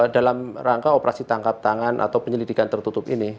dalam rangka operasi tangkap tangan atau penyelidikan tertutup ini